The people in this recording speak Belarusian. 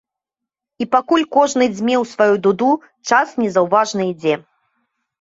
І пакуль кожны дзьме ў сваю дуду, час незаўважна ідзе.